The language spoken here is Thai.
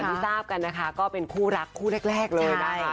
ที่ทราบกันนะคะก็เป็นคู่รักคู่แรกเลยนะคะ